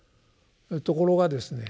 ところがですね